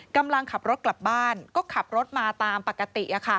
กำลังขับรถกลับบ้านก็ขับรถมาตามปกติ